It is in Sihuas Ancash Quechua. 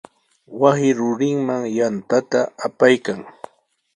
Wasi rurinman yantata apaykan.